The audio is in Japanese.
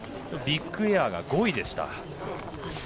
ビッグエアが５位でした。